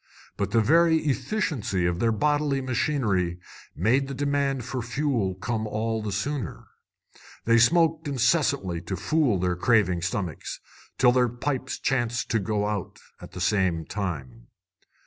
But the very efficiency of their bodily machinery made the demand for fuel come all the sooner. They smoked incessantly to fool their craving stomachs, till their pipes chanced to go out at the same time.